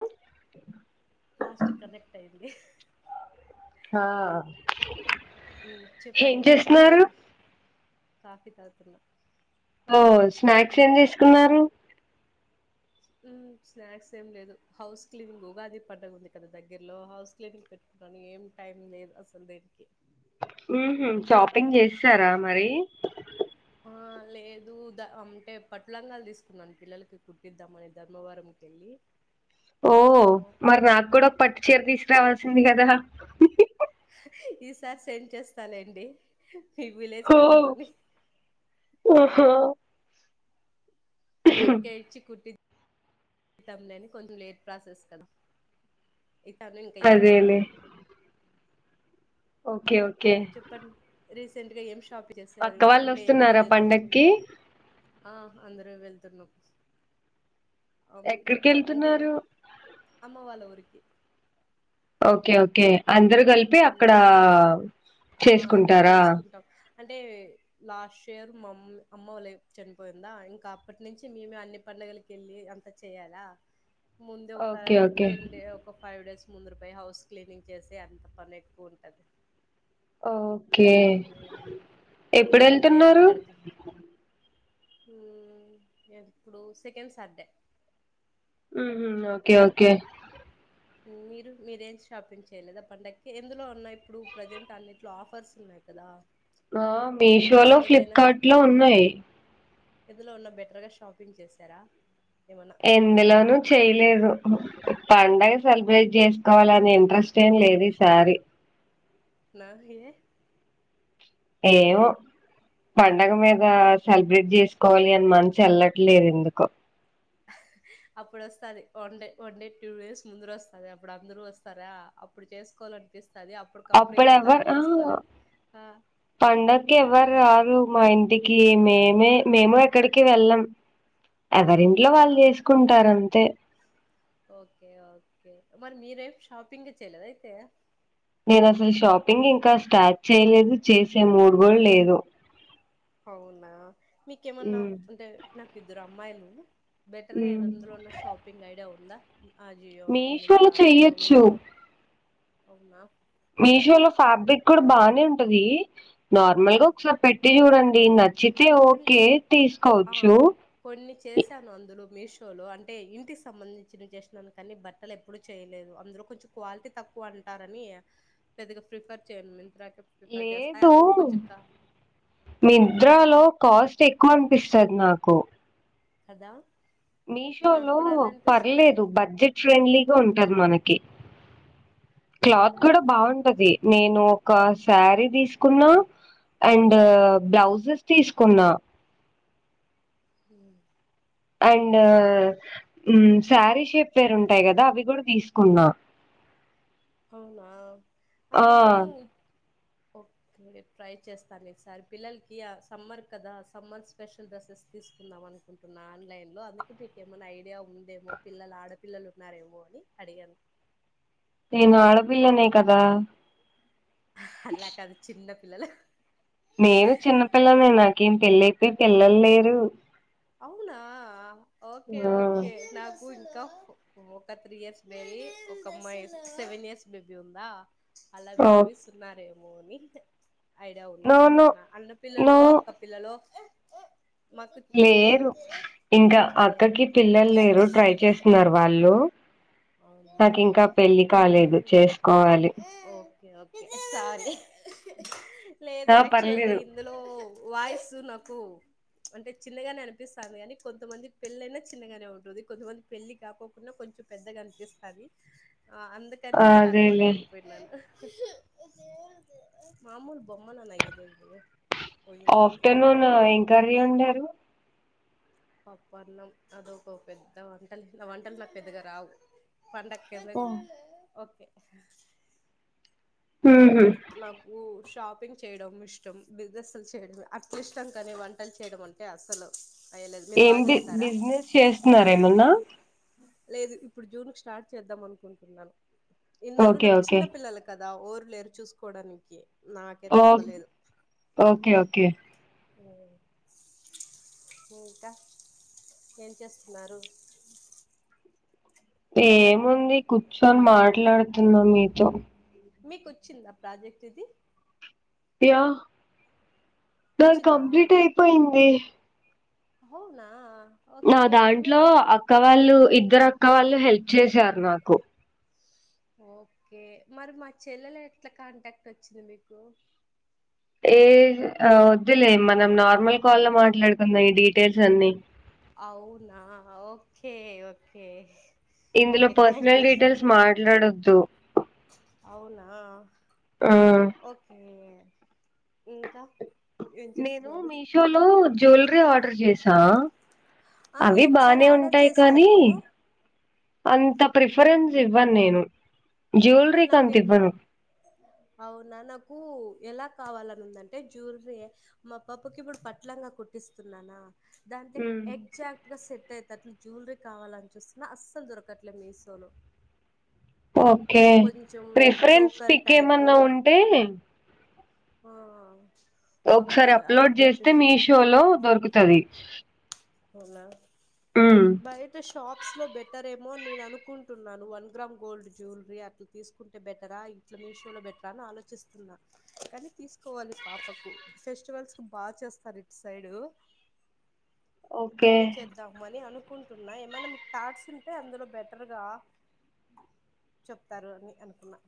హ last connect అయ్యింది. హా చెప్పండి ఏ కాఫీ తాగుతున్నా. ఓ స్నాక్స్ ఏం చేసుకున్నారు. స్నాక్స్ ఏం లేదు. హౌస్ క్లీనింగ్ ఉగాది పండగ ఉంది కదా దగ్గరలో హౌస్ క్లీనింగ్ పెట్టుకున్నాను. ఏం టైం లేదు అసలు దేనికి ఉహు షాపింగ్ చేస్తారా మరి ఆ లేదు ద అంటే పట్టు లంగాలు తీసుకున్నాను. పిల్లలకి కుట్టిద్దామని ధర్మవరంకి వెళ్ళి ఓహో ఆ మరి నాకు కూడా పట్టు చీర తీసురావాల ఉంది కదా. ఈసారి సెండ్ చేస్తాలెండి. ఓ ఓహో వర్క్ ఏ ఇచి కుట్టి జీతం లేని కొంచెం లేట్ ప్రాసెస్ కదా. ఇతను ఇంకా ఇలాని అదేలే ఇవ్వలేదు. ఓకే ఓ చెప్పండి. రీసెంట్ గా ఏం షా అక్క వాళ్ళు వస్తున్నారా పండగకి ఆ అందరూ వెళ్తున్నాం. అ ఎక్కడికి అంటే వెళ్తున్నారు అమ్మ వాళ్ళ ఊరికి. ఓకే ఓకే అందరు కలిపి అక్కడ ఉమ్ ఆ అక్కడ చేసుకుంటారా. చేసుకుంటాం అంటే లాస్ట్ ఇయర్ మామ్ అమ్మ వాళ్ళ చనిపోయిందా ఇంకా అప్పటి నుంచి మేమే అన్ని పండగలకి వెళ్ళి అంత చేయాలా. ముందే ఒక ఓకే ఓకే టెన్ డే ఒక ఫైవ్ డేస్. ముందుర పోయి హౌస్ క్లీనింగ్ చేసి అంత పని ఎక్కువ ఉంటది ఓ ఓకే అందుకే ఎప్పుడు వెళ్తున్నారు హ్మ్ ఇప్పుడు సెకండ్ సర్దే హ్మ్ హు ఓకే ఓకే మీరు మీరేం షాపింగ్ చేయలేదా పండగకి ఎందులో ఉన్నాయి ఇప్పుడు ప్రజెంట్ అన్నింటిలో ఆఫర్స్ ఉన్నాయి కదా ఆ మీషోలో ఎందులో అయినా ఫ్లిప్కార్ట్ లో ఉన్నాయి ఎందులో ఉన్నా బెటర్ గా షాపింగ్ చేశారా ఎందులోనూ చేయలేదు పండగ సెలబ్రేట్ చేసుకోవాలనే ఇంట్రెస్ట్ ఏం లేదు ఈసారి నా ఏ ఏమో పండగ మీద సెలబ్రేట్ చేసుకోవాలి అని మనసు వెళ్లట్లేదు ఎందుకో అప్పుడు వస్తది one day one day two days ముందర వస్తది అప్పుడు అందరు వస్తారా అప్పుడు చేసుకోవాల అనిపిస్ అప్పుడు ఎవరు ఆ హ ఆ పండగకి ఎవరు ఆరు మా ఇంటి కి మేమే మేము ఎక్కడికి వెళ్ళం ఎవరింట్లో అవునా వాళ్ళు చేసుకుంటారం తే ఓకే ఓకే మరి మీరేం షాపింగ్ చేయలేదా అయితే నేను అసలు షాపింగ్ ఇంకా స్టార్ట్ చేయలేదు చేసే మూడుకూడా లేదు అవునా మీకేమన్నా ఉమ్, అంటే నాకు ఇద్దరు అబ్ అమ్మాయిలు బెటర్ గా ఉమ్. ఏదందరులో ఉన్న షాపింగ్ ఐడియా ఉందా అజియో నో మీషోలో మింత్రా నో చెయ్యొచ్చు మీషో అవునా మీషో లో ఫ్యాబ్రిక్ కూడా బానే ఉంటది నార్మల్ గా ఉమ్ ఒకసారి పెట్టి చూడంన్ ఏం కాద్ చ్చితే అండ్ ఓకే ఆ తీసుకోవచ్చు కొన్ని చేశాను అందులో మీషోలో అంటే ఇంటికి సంబంధించిన జస్ట్ మనకాన్ని బట్టలు ఎప్పుడు చేయలేదు అందులో కొంచెం క్వాలిటీ తక్కువ అంటారని పెద్దగా ప్రిఫర్ చేయను మింత్రాకే ప్రిఫర్ చేస్తా లేదు అది కూడా కొంచెం క నిద్రలో కాస్ట్ ఎక్కువ అనిపిస్తది నాకు కదా మీషో నాకు లో కూడా అని అనిపిస్తుంది పర్లేదు బడ్జెట్ ఫ్రెండ్లీ ఉంటది మనకి క్లాత్ కూడా బాగుంటది నేను ఒక శారీ తీసుకున్నా అండ్ బ్లౌజస్ తీసుకున్నా హ అండ్ శారీ షేప్ వేరుంటాయి కదా అవి కూడా తీసుకున్నా అవునా ఆ! అందున్నాైను క్రడ ట్రై చేస్తాను ఈసారి పిల్లలకి సమ్మర్ కదా సమ్మర్ స్పెషల్ డ్రెస్సెస్ తీసుకుందాం అనుకుంటున్నా ఆన్లైన్లో అందుకే మీకు ఏమైనా ఐడియా ఉందేమో పిల్లలు ఆడపిల్ల లు ఉన్నారేమో అని అడిగాను నేను ఆడ పిల్లేనే కదా అలా కాదు చిన్న పిల్లలు నేను చిన్నపిిల్లని నాకేం పెళ్ళి అయిపోయి పిల్లలు లేరు అవునా ఓకే ఆ ఓకే నాకు ఒక త్రీ ఇయర్స్ బేలి ఒక అమ్మాయి సెవెన్ ఇయర్స్ బేబీ ఉందా అలా ఓ బేబీస్ ఉన్నారుారే మోని ఐడియా నో ఉండేవ నో అనుకున్నా నో అన్నపిిల్లలు అక్క పిల్లలు మాకు లేరు ఇంకా హ్మ్ అక్కకి పిల్లలు లేరు ట్రై చేస్తున్నారు వాళ్ళు అవునా నాకు ఇంకా పెళ్లిి కాలేదు మామూలుగా చేసుకోవాలి ఓకే ఓకే సారీ హ్ హ్ లేదు ఆ యాక్చువల్ గా పర్లేదు ఇందులో వాయిసు నా కు అంటే చిన్నగానే అనిపిస్తంది కానీ కొంతమంది పెళ్లి అయినా చిన్నగానే ఉంటుంది కొంతమంది పెళ్లి కాకొకున్న కొంచెం పెద్దగా అనిపిస్తాది ఆ అందుకని నేను అదేలే కనుక్కకోలేకపోయినాను మామూలు బొమ్మనా నా ఏదో ఇదో ఆఫ్టర్నూన్ ఏం కరీ ఒండారు పప్ప అన్నం అద ఒక పెద్ద వంటలు నా వంటలు నాకు పెద్దగా రావు ఓ పండకేందుకు ఓకే [unintelligible] ఉహు క్లాకు షాపింగ్ చేయడం ఇష్టం బిజినెస్లు చేయడం అట్లిష్టం కానీ వంటలు చేయడం అంటే అసలు ఏం బి బిజినెస్ చేస్తున్నారు ఏమన్నా లేదు ఇప్పుడు జూన్ స్టార్ట్ చేద్దాం అనుకుంటున్నాను ఇన్నాలు ఓకే నాకు ఓకే చిన్న పిల్లల కాద్ ద ఓర్ లేరు చూసుకోవడానికి నాకే ఓ తప్పలేదు ఓకే ఓకే హ్మ్మ్ ఇంకా ఏం చేస్తున్నారు తిన్నారా ఏముంది కుర్చు తో మాట్లాడుతున్నా మీతో మీకొచ్చిందా ప్రాజెక్ట్ ఇది యా నాది వచ్చిందా కంప్లీట్ అయిపోయింది అవునా నా ఓకే దాంట్లో మీరే అక్క వాళ్ళు ఇద్దరు అక్క వాళ్ళు హెల్ప్ చేసారు నాకు ఓకే మరి మా చెల్లెలు ఎట్లా కాంటాక్ట్ వచ్చింది మీకు ఏ ఆ ఒద్దులే మనం నార్మల్ కాల్ లో మాట్లాడుకుందాం ఈ డీటెయిల్స్ అన్ని అవునా ఓకే ఒకే ఇందులో పర్సనల్ డీటెయిల్స్ మాట్లాడొద్ ద్దు అవునా ఆ ఓకే ఇంకా ఏం నేను చేస్తున్నారు మీషో లో జ్యవెలరీ ఆర్డర్ చేస్ సా ఆ అవి నేను ఒకసారి బానే ఆర్డర్ ఉంటాయి కానీ చేశాను అంతం రిఫరెన్స్ ఇవ్వన్ నేను ఆ జ్యువెలరీకి నాకే అంత ఇవ్వను అవునా నాకు ఎలా కావాలని ఉందంటే జ్యువలరీ మా పాపకి ఇప్పుడు పట్లంగా కుట్టిస్తున్నానా దాంటే ఉమ్. ఎగ్జాక్ట్ గా సెట్ అయి దాట్లు జ్యులరీ కావాలనిపిస్తుంది అస్సలు దొరకట్లే మీసోలో ఒకే రిఫరెన్స్ పిక్ టైపు ఏమన్నా ఉంటే ఆ ఆ ఒకసారి అప్లోడ్ చేస్తే మీషో లో దొరుకుతవి అవునా బయట షాప్స్ లో బెటర్ రేమో నేను అనుకుంటున్నాను వన్ గ్రామ్ గోల్డ్ జ్యులరీ అట్లా తీసుకుంటే బెటరా ఇట్లా మీషోలో బెటరా అని ఆలోచిస్తున్నా కానీ తీసుకోవాలి పాపకు ఫెస్టివల్స్ కు బా చేస్తారు ఇటుసైడు. ఓకే రడీ చేద్దాంమని అను కుంటున్నా ఏమైనా మీకు థాట్స్ ఉంటే అందులో బెటర్గా చెప్తారు అని అనుకున్నా.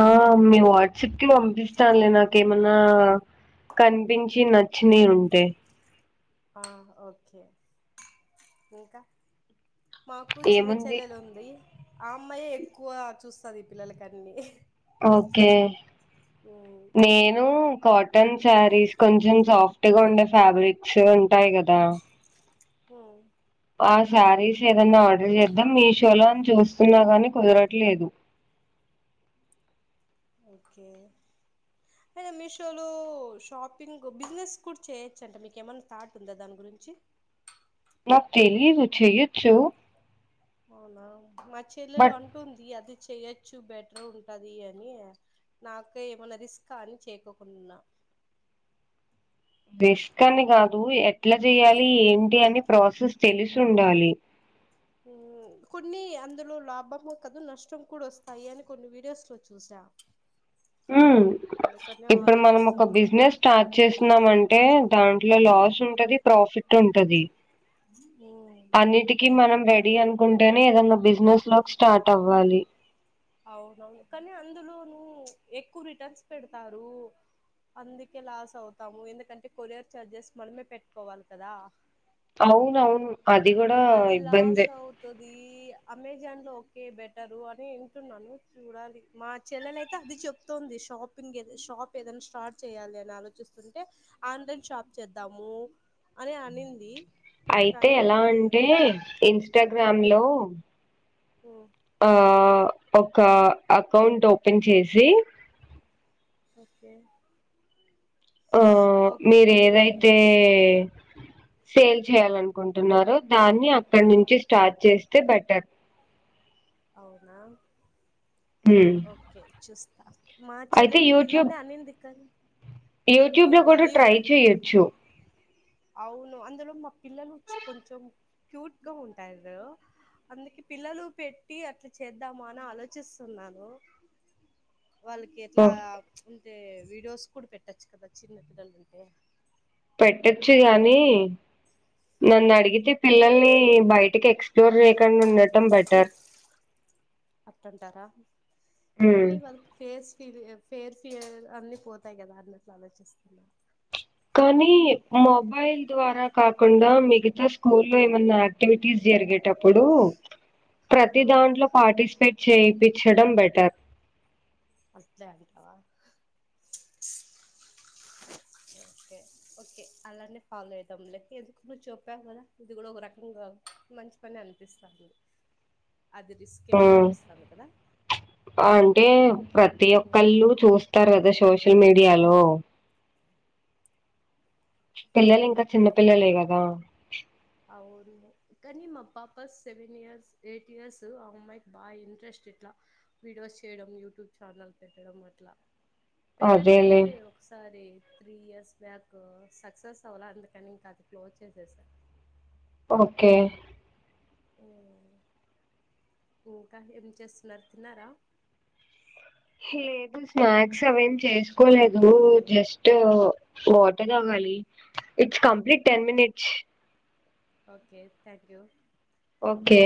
ఆ మీ వాట్సాప్కి పంపిస్తాలే నాకేమన్నా కనిపించి నచ్చినాయి ఉంటే ఆ ఒకే ఇంకా మాకు చిన్న ఏముంది చెల్లెలుంది ఆ అమ్మాయే ఎక్కువ చూస్తది పిల్లలకన్ని ఒకే ఉమ్ నేను కాట్ టన్ శారీస్ కొంచం సాఫ్ట్ గా ఉండే ఫ్యాబ్రిక్స్ ఉంటాయి కదా హు ఆ శారీస్ ఏదన్నా ఆర్డర్ చేద్దాం మీషోలో అని చూస్తున్నా గాని కుదరట్లేదు ఒకే అయినా మీషోలో షాపింగ్ బిజినెస్ కూడా చేయొచంట మీకు ఏమైన్నా థాట్ ఉందా దాని గురించి నాకు తెలియిందు చేయొచ్చు అవున మా చెల్లెలు అంటుంది అది చేయొచ్చు బెటరుంటాది అని నాకే ఏమైనా రిస్క్ అని చేకోకుండా ఉనా రిస్క్ అని కాదు ఎట్లా చెయాలి ఏంటి అని ప్రాసెస్ తెలుసుండాలి హు కొన్ని అందులో లాభము కదు నష్టం కూడా వస్తాయి అని కొన్ని వీడియోస్ లో చూసా హు అందుకనే ఇప్పుడు మనం ఒక ఆలోచిస్తున్నా బిజినెస్ స్టార్ట్ చేసినమంటే దాంట్లో లాస్ చుంటది ప్రాఫిట్ ఉంటది అన్నిటికీ మనం రెడీ అనుకుంటేనే ఏదన్నా బిజినెస్ లోకి స్టార్ట్ అవ్వాలి అవునవును కానీ అందులోను ఎక్కువ రిటన్స్ పెడతారు అందుకే లాస్ అవుతాము ఎందుకంటే కొరియర్ చార్జెస్ మనమే పెట్టుకోవాలి కదా అవున అవును అది కూడా ఇబ్బందే ఇది అమెజాన్ లో ఓకే బెటరు అని వింటున్నాను చూడాలి మా చెల్లెల అయితే అది చెప్తోంది షాపింగ్ షాప్ ఏదైనా స్టార్ట్ చేయాలి అని ఆలోచిస్తుంటే ఆన్లైన్ షాప్ చేద్దాము అని అనింది అయితే కానీ ఎలా అది అంటే ఓ ఇన్స్టాగ్రామ్ లో ఓ ఆ హ ఒక అకౌంట్ ఓపెన్ చేసి ఓకే ఆ మీరు ఓకే ఏదైతే సేల్ చేయాల అనుకుంటున్నారు దాన్ని అ అక్కడ ఆ నుంచి స్టార్ట్ చేస్త బెట్టర్ అవునా హ్మ్ ఓకే చూస్తా మా చెల్లెలు కూడా ఇలానేే అనింది కానీ యూట్యూబ లో యూట్యూబా కూడా ట్రై యూట్యూబ్ చేయొచ్చు అవును అందులో మా పిల్లలు కొంచెం క్యూట్ గా ఉంటారు అందుకే పిల్లలు పె టి అట్లా చేద్దామా అని ఆలోచిస్తున్నాను వాళ్ళకి ఎట్లా ఉ అే వీడియోస్ కూడా పెట్టచ్చు కదా చిన్నటిదన అంటే పెట్టొచ్చు గానీ నన్ను అడిగితే పిల్లల్ని బయటికి ఎక్స్ప్లోర్ చేయకుండా ఉ అట్టంటారా ఉమ్ కనీ పర్ ఫేస్ ఫి ఫేర్ ఫిర్ అన్ని పోతాయి కదా అన్నిట్లు ఆలోచిస్తున్నారు కానీ మొబైల్ ద్వారా కాకుండా మిగతా స్కూల్లో ఏమైన్నా యాక్టివిటీస్ జరిగే అప్పుడు ప్రతి దాంట్లో పార్టిసిపేట్ చేయిపి చ్చడం బెటర్ అట్లే అంటావా ఓకే ఓకే అలానే ఫాలో అయిదాం లే ఎందుకు నువ్వు చెప్పావ్ కదా ఇది కూడా ఒక రకంగా మంచి పనే అనిపిస్తాంది అది రిస్క్ ఏమో ఉమ్ అనిపిస్తాంది కదా అంటే ప్రతి మ్మ్ ఒక్కళ్ళు చూస్తారు కదా శోష మీడియాలో పిల్లలిం కా చిన్న పిల్లలే కదా అవురు కానీ మా పాప సెవెన్ ఇయర్స్ ఎయిట్ ఇయర్స్ ఆ అమ్మాయికి బా ఇంట్రెస్ట్ ఇట్లా వీడియోస్ చేయడం యూట్యూబ్ ఛానల్ పెట్టడం అట్లా పెట్టాను కానీ అదేలే నేను ఒకసారి త్రీ ఇయర్స్ బ్యాక్ సక్సెస్ అవలా అందుకని ఇంకా అది క్లోజ్ చేసేసా ఓకే ఊ ఇంకా ఏం చేస్తున్నారు తిన్నారా లేదు స్నాక్స్ అవేం చేసుకోలేదు జస్ట్ వాటర్ తాగాలి it's complete ten minutes okay thank you okay